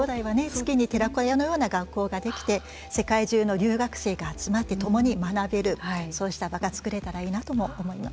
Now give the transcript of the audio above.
月に寺子屋のような学校ができて世界中の留学生が集まって共に学べるそうした場が作れたらいいなとも思います。